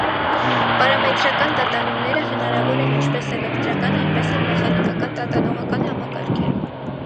Պարամետրական տատանումները հնարավոր են ինչպես էլեկտրական, այնպես էլ՝ մեխանիկական տատանողական համակարգերում։